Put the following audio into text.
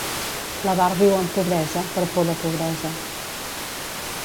L'avar viu en pobresa per por de pobresa.